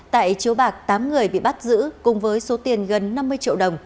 tại chiếu bạc tám người bị bắt giữ cùng với số tiền gần năm mươi triệu đồng